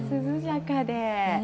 涼やかで。